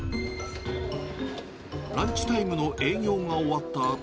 ランチタイムの営業が終わったあと。